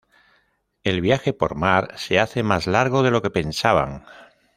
El viaje por mar se hace más largo de lo que pensaban.